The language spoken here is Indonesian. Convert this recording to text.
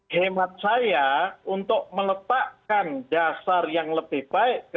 hemat saya untuk meletakkan dasar yang lebih baik